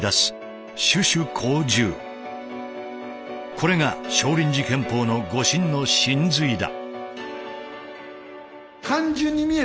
これが少林寺拳法の護身の神髄だ。